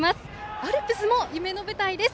アルプスも夢の舞台です。